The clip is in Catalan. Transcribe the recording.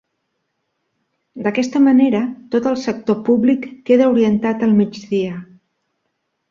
D'aquesta manera tot el sector públic queda orientat al migdia.